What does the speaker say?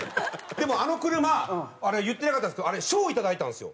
でもあの車言ってなかったんですけどあれ賞いただいたんですよ。